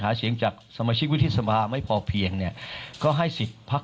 หาเสียงจากสมาชิกวุฒิสภาไม่พอเพียงเนี่ยก็ให้สิทธิ์พัก